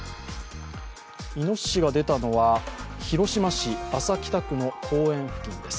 いのししが出たのは広島市安佐北区の公園付近です。